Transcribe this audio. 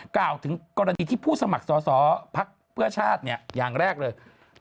กล่าวถึงกรณีที่ผู้สมัครสอสอภักดิ์เพื่อชาติอย่างแรกเลย